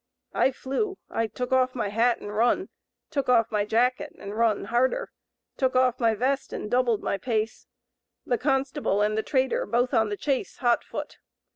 I flew, I took off my hat and run, took off my jacket and run harder, took off my vest and doubled my pace, the constable and the trader both on the chase hot foot.